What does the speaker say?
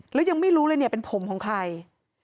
เลยยังไม่รู้เลยเนี่ยเป็นผมของใครผมของใคร